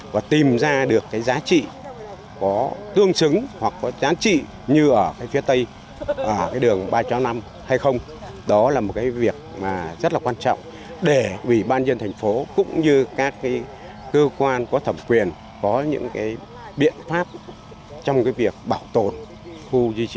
và tìm ra được giá trị có tương xứng hoặc giá trị như ở phía đông